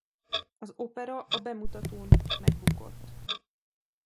Az opera a bemutatón megbukott.